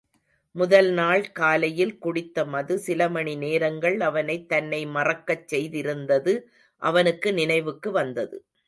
முதல் நாள் காலையில் குடித்த மது சிலமணி நேரங்கள் அவனைத் தன்னை மறக்கச் செய்திருந்தது அவனுக்கு நினைவுக்கு வந்தது.